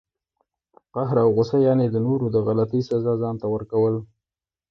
غصه او قهر، یعني د نورو د غلطۍ سزا ځانته ورکول!